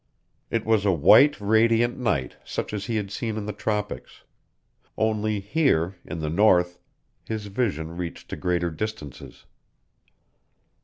It was a white, radiant night, such as he had seen in the tropics. Only here, in the north, his vision reached to greater distances.